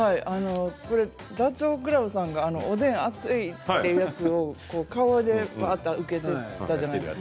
ダチョウ倶楽部さんが、おでん熱いというやつを顔で受けていたじゃないですか。